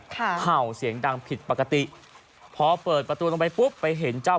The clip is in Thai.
เห่าเสียงดังผิดปกติพอเปิดประตูลงไปปุ๊บไปเห็นเจ้า